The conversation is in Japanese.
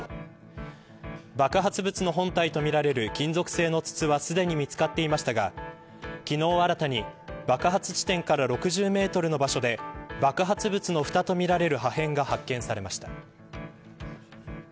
爆発物の本体とみられる金属製の筒はすでに見つかっていましたが昨日新たに、爆発地点から６０メートルの場所で爆発物のふたとみられる破片が発見されました。